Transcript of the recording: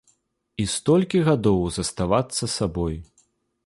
І столькі гадоў заставацца сабой.